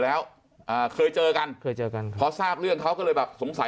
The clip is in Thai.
แล้วอ่าเคยเจอกันเคยเจอกันพอทราบเรื่องเขาก็เลยแบบสงสัย